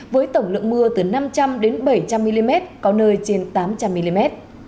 với tổng lượng mưa từ năm trăm linh bảy trăm linh mm có nơi trên tám trăm linh mm